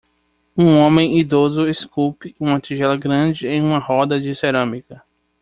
Um homem idoso esculpe uma tigela grande em uma roda de cerâmica.